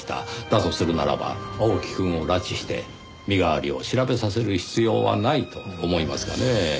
だとするならば青木くんを拉致して身代わりを調べさせる必要はないと思いますがねぇ。